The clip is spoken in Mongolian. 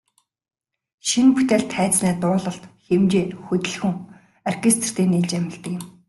Шинэ бүтээл тайзнаа дуулалт, хэмжээ, хөдөлгөөн, оркестертэй нийлж амилдаг юм.